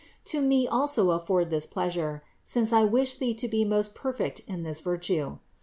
To me also afford this pleasure, since I wish thee to be most per fect in this virtue.